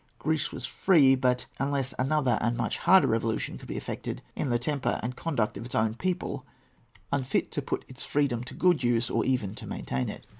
Greece was free, but, unless another and a much harder revolution could be effected in the temper and conduct of its own people, unfit to put its freedom to good use or even to maintain it.